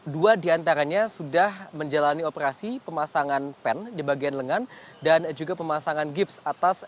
dua diantaranya sudah menjalani operasi pemasangan pen di bagian lengan dan juga pemasangan gips atas